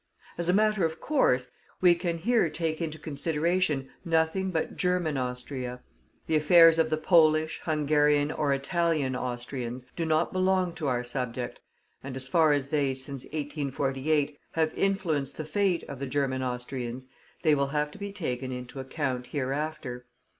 As a matter of course, we can here take into consideration nothing but German Austria. The affairs of the Polish, Hungarian, or Italian Austrians do not belong to our subject, and as far as they, since 1848, have influenced the fate of the German Austrians, they will have to be taken into account hereafter.